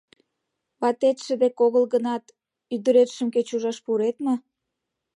Ватетше дек огыл гынат, ӱдыретшым кеч ужаш пурет мо?